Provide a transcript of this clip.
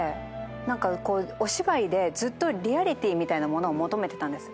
何かこうお芝居でずっとリアリティーみたいなものを求めてたんです。